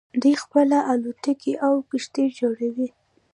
دوی خپله الوتکې او کښتۍ جوړوي.